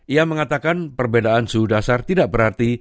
ia mengatakan perbedaan suhu dasar tidak berarti